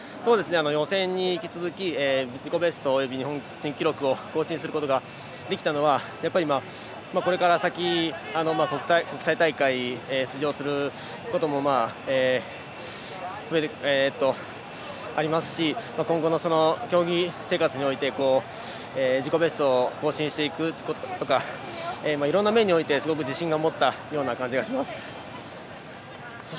予選に引き続き自己ベスト、および日本新記録が更新することができたのはこれから先国際大会に出場することもありますし今後の競技生活において自己ベストを更新していくとかいろんな面においてすごく自信を持った感じがします。